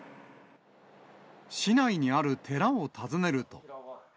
市内にある寺を訪ねると。